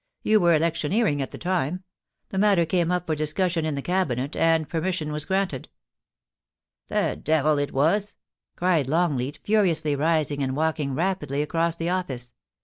You were electioneering at the time. The matter came up for discus sion in the Cabinet, and permission was granted' ' The devil it was 1' cried Longleat furiously, rising and walking rapidly across the office.